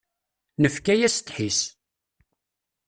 Nefka-yas ddḥis.